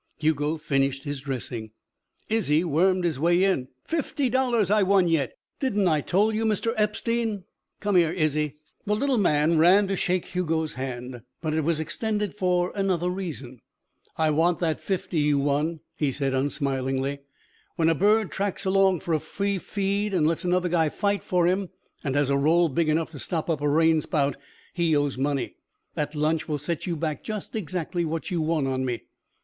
Hugo finished his dressing. Izzie wormed his way in. "Fifty dollars I won yet! Didn't I tole you, Mr. Epstein!" "Come here, Izzie!" The little man ran to shake Hugo's hand, but it was extended for another reason. "I want that fifty you won," he said unsmilingly. "When a bird tracks along for a free feed and lets another guy fight for him and has a roll big enough to stop up a rainspout, he owes money. That lunch will set you back just exactly what you won on me."